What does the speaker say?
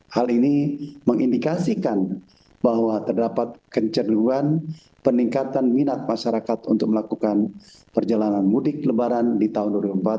hal ini mengindikasikan bahwa terdapat kecenderungan peningkatan minat masyarakat untuk melakukan perjalanan mudik lebaran di tahun dua ribu empat belas